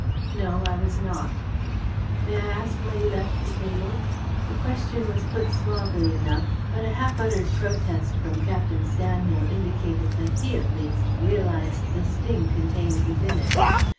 "No, I was not." "May I ask why you left the table?" The question was put suavely enough, but a half uttered protest from Captain Stanhill indicated that he, at least, realized the sting contained within it.